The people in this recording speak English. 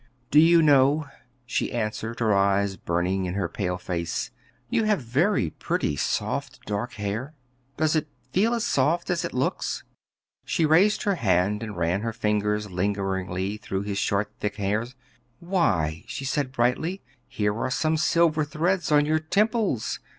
"Do you know," she answered, her eyes burning in her pale face, "you have very pretty, soft dark hair? Does it feel as soft as it looks?" She raised her hand, and ran her fingers lingeringly through his short, thick hair. "Why," she said brightly, "here are some silvery threads on your temples.